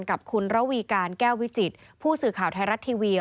กับคุณระวีการแก้ววิจิตผู้สื่อข่าวไทยรัฐทีวี